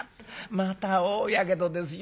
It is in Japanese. また大やけどですよ。